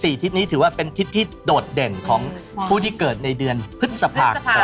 ทิศนี้ถือว่าเป็นทิศที่โดดเด่นของผู้ที่เกิดในเดือนพฤษภาคม